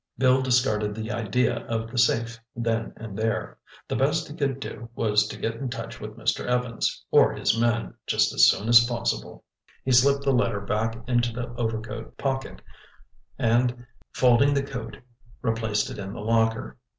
Bill discarded the idea of the safe then and there. The best he could do was to get in touch with Mr. Evans or his men just as soon as possible. He slipped the letter back into the overcoat pocket, and folding the coat, replaced it in the locker.